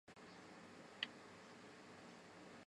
大院君曾想让他取代高宗为朝鲜国王。